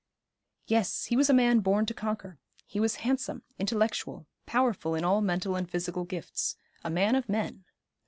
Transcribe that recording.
Yes, he was a man born to conquer; he was handsome, intellectual, powerful in all mental and physical gifts. A man of men.